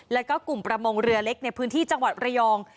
แล้วก็กลุ่มประมงเรือเล็กในพื้นที่จังหวัดระยอง